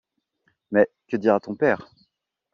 Mais, que dira ton père?